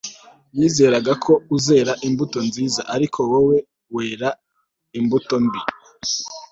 yizeraga ko uzera imbuto nziza, ariko wo wera imbuto mbi